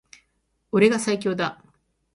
俺が最強だ